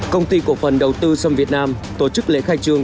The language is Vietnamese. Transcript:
công ty cổ phần đầu tư xâm việt nam tổ chức lễ khai trương